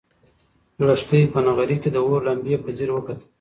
لښتې په نغري کې د اور لمبې په ځیر وکتلې.